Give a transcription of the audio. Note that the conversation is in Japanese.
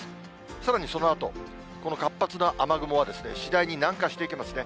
さらにそのあと、この活発な雨雲は、次第に南下していきますね。